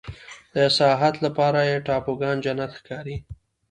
د سیاحت لپاره یې ټاپوګان جنت ښکاري.